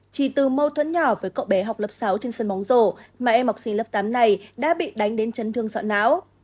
chỉ từ mâu thuẫn nhỏ với cậu bé học lớp sáu trên sân bóng rổ mà em học sinh lớp tám này đã bị đánh đến chấn thương sọ não